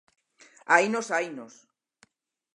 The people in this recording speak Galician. Hainos, hainos.